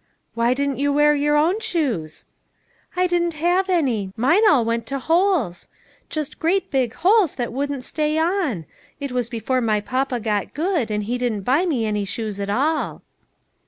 " Why didn't you wear your own shoes?" "I didn't have any; mine all went to holes* THE LITTLE PICTURE MAKERS. 243 just great big holes that wouldn't stay on ; it was before my papa got good, and he didn't buy me any shoes at all."